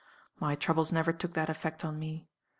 My troubles never took that effect on me.